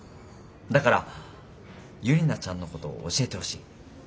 だからユリナちゃんのことを教えてほしい。